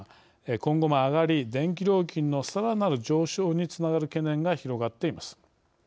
今後も上がり電気料金のさらなる上昇につながる懸念が広がっています。